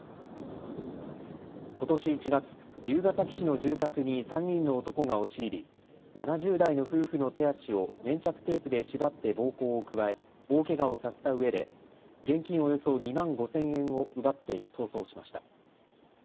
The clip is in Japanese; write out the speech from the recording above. ことし１月、龍ケ崎市の住宅に３人の男が押し入り７０代の夫婦の手足を粘着テープで縛って暴行を加え大けがをさせたうえで現金およそ２万５０００円を奪って逃走しました。